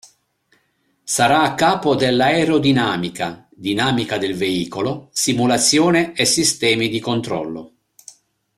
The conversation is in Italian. Sarà a capo dell'aerodinamica, dinamica del veicolo, simulazione e sistemi di controllo.